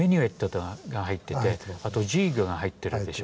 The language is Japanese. あとジーグが入ってるでしょ。